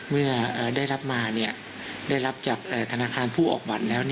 เมื่อได้รับมาได้รับจากธนาคารผู้ออกบัตรแล้ว